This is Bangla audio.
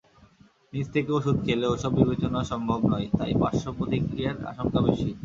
নিজে থেকে ওষুধ খেলে এসব বিবেচনা সম্ভব নয়, তাই পার্শ্বপ্রতিক্রিয়ার আশঙ্কা বেশি।